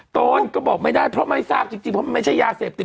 ตนก็บอกไม่ได้เพราะไม่ทราบจริงเพราะมันไม่ใช่ยาเสพติด